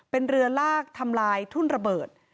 เป็นเรือลากทำลายทุ่นระเบิด